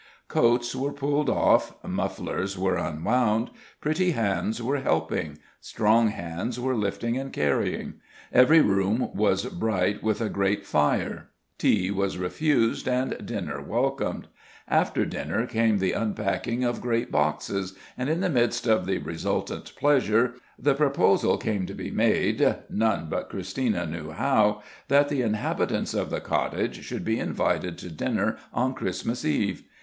Coats were pulled off; mufflers were unwound; pretty hands were helping; strong hands were lifting and carrying; every room was bright with a great fire; tea was refused, and dinner welcomed. After dinner came the unpacking of great boxes; and in the midst of the resultant pleasure, the proposal came to be made none but Christina knew how that the inhabitants of the cottage should be invited to dinner on Christmas eve.